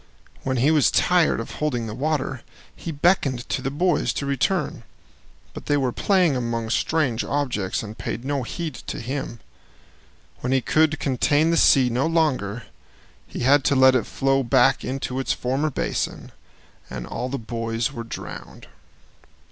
When he was tired of holding the water, he beckoned to the boys to return, but they were playing among strange objects and paid no heed to him. When he could contain the sea no longer, he had to let it flow back into its former basin, and all the boys were drowned.